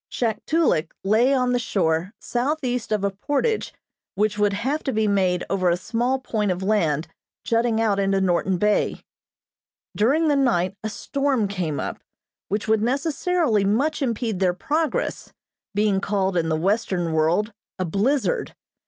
Shaktolik lay on the shore southeast of a portage which would have to be made over a small point of land jutting out into Norton Bay. During the night a storm came up which would necessarily much impede their progress, being called in the western world a "blizzard."